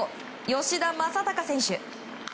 吉田正尚選手。